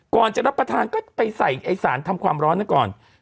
ก่อนจะรับประทานก็ไปใส่ไอ้สารทำความร้อนนั้นก่อน